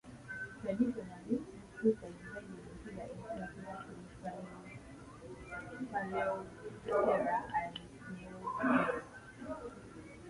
Traditionally, this group was divided into the infraclasses Paleoptera and Neoptera.